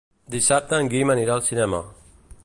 Dissabte en Guim anirà al cinema.